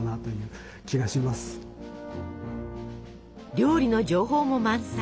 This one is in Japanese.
料理の情報も満載。